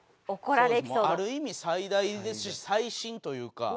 ある意味最大ですし最新というか。